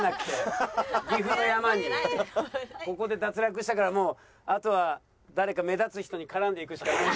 ここで脱落したからもうあとは誰か目立つ人に絡んでいくしかない。